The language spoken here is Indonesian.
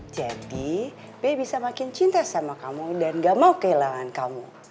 jadi be bisa makin cinta sama kamu dan gak mau kehilangan kamu